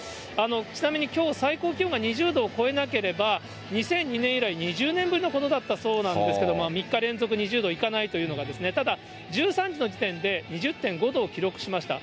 ちなみにきょう、最高気温が２０度を超えなければ、２００２年以来、２０年ぶりのことなんだそうですけど、３日連続２０度いかないというのがですね、ただ、１３時の時点で２０．５度を記録しました。